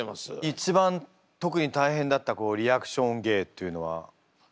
一番特に大変だったリアクション芸というのはありますか？